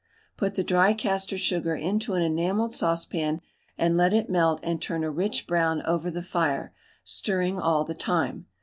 Put the dry castor sugar into an enamelled saucepan and let it melt and turn a rich brown over the fire, stirring all the time.